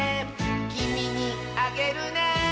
「きみにあげるね」